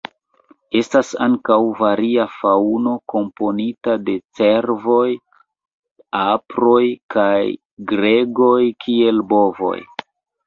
Estas ankaŭ varia faŭno komponita de cervoj, aproj, kaj gregoj kiel bovoj.